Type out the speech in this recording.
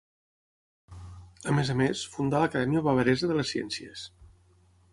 A més a més fundà l'Acadèmia Bavaresa de les Ciències.